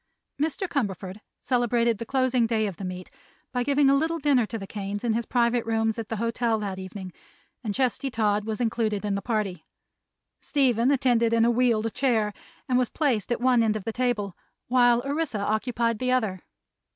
Mr. Cumberford celebrated the closing day of the meet by giving a little dinner to the Kanes in his private rooms at the hotel that evening, and Chesty Todd was included in the party. Stephen attended in a wheeled chair and was placed at one end of the table, while Orissa occupied the other.